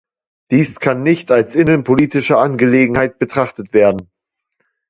Dies kann nicht als innenpolitische Angelegenheit betrachtet werden.